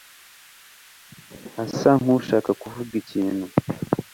asa nkushaka kuvuga ikintu.